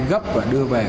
gấp và đưa về